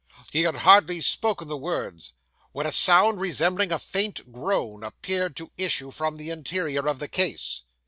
He had hardly spoken the words, when a sound resembling a faint groan, appeared to issue from the interior of the case.